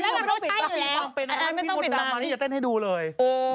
ถ้าพี่ดำมานี่จะเต้นให้ดูเลย